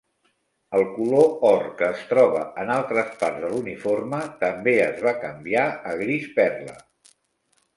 El color or que es troba en altres parts de l'uniforme també es va canviar a gris perla.